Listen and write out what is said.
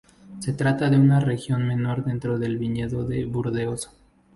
Se trata de una región menor dentro del viñedo de Burdeos.